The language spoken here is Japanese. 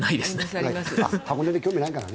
箱根に興味ないからね。